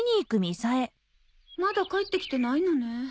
まだ帰ってきてないのね。